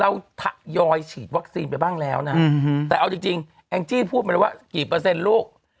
น่ะแล้วถางยอยฉีดงานบ้างแล้วนะแต่เอาจริงเอคะจิลพูดไปว่ากี่ประเศษลูก